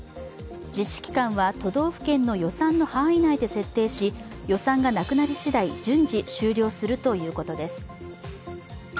実施期間は都道府県の予算の範囲内で設定し予算がなくなり次第、順次終了するということです。